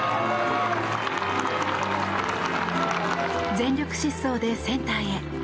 全力疾走でセンターへ。